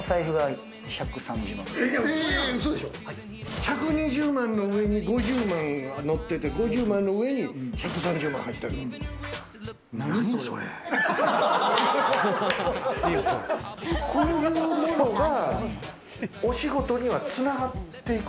１２０万の上に５０万のっていて、５０万の上に１３０万がのっている。